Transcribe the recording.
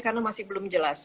karena masih belum jelas